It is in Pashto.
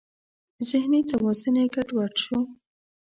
ذهني توازن یې ګډ وډ شو.